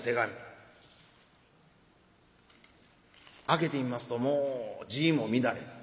開けてみますともう字も乱れて。